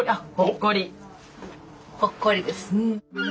ほっこりです。